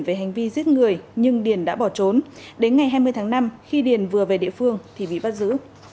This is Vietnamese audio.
về hành vi giết người nhưng điền đã bỏ trốn đến ngày hai mươi tháng năm khi điền vừa về địa phương thì bị bắt giữ